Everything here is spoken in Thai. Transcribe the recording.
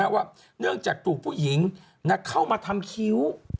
ว่าเนื่องจากถูกผู้หญิงเข้ามาทำคิ้ว